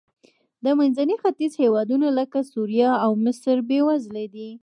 د منځني ختیځ هېوادونه لکه سوریه او مصر بېوزله دي.